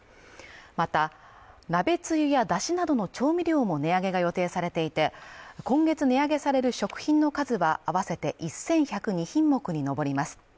また鍋つゆやだしなどの調味料も値上げが予定されていて今月値上げされる食品の数は合わせて１１０２品目に上ります